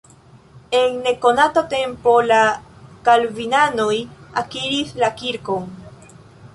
En nekonata tempo la kalvinanoj akiris la kirkon.